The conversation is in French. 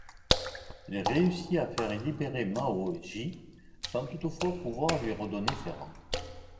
Il réussit à faire libérer Mao Jie, sans toutefois pouvoir lui redonner ses rangs.